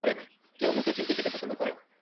কেউ মুখে চিমটি খেতে পছন্দ করে না।